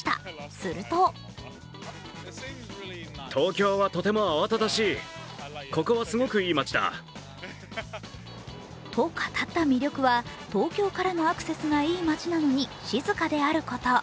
するとと語った魅力は東京からのアクセスがいい街なのに静かであること。